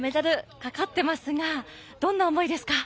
今、メダルかかってますがどんな思いですか？